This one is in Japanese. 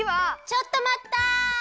ちょっとまった！